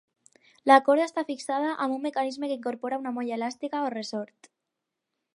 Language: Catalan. La corda està fixada amb un mecanisme que incorpora una molla elàstica o ressort.